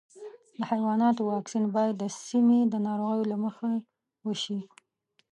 د حیواناتو واکسین باید د سیمې د ناروغیو له مخې وشي.